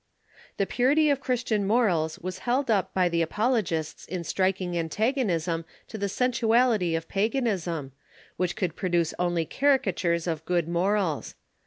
The purity of Chris tian morals was held up by the apologists in striking antago nism to the sensuality of paganism, Avhich could produce only caricatures of good morals.